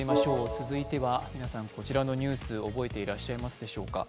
続いては、皆さん、こちらのニュース、覚えていらっしゃるでしょうか。